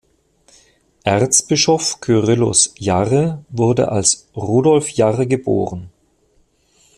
Erzbischof Cyrillus Jarre wurde als Rudolf Jarre geboren.